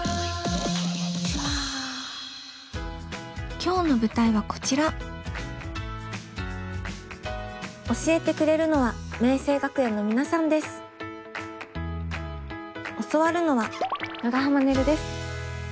今日の舞台はこちら教えてくれるのは教わるのは長濱ねるです。